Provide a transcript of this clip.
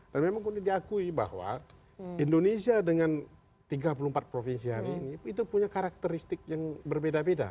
dan memang diakui bahwa indonesia dengan tiga puluh empat provinsi hari ini itu punya karakteristik yang berbeda beda